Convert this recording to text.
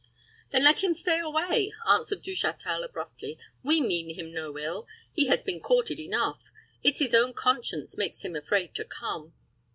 "Then let him stay away," answered Du Châtel, abruptly. "We mean him no ill. He has been courted enough. It's his own conscience makes him afraid to come.